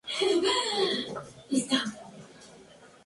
Se distinguen seis subespecies.